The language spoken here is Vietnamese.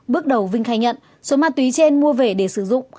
bước đầu vinh khai nhận số ma túy trên mua về để sử dụng